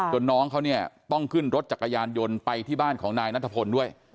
น้องเขาเนี่ยต้องขึ้นรถจักรยานยนต์ไปที่บ้านของนายนัทพลด้วย